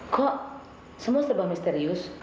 kok semua serba misterius